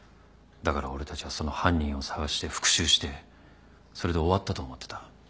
だから俺たちはその犯人を捜して復讐してそれで終わったと思ってた。